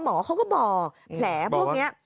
หมอเขาก็บอกแผลพวกนี้